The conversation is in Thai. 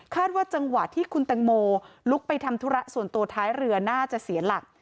ว่าจังหวะที่คุณตังโมลุกไปทำธุระส่วนตัวท้ายเรือน่าจะเสียหลัก